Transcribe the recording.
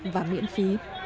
và miễn phí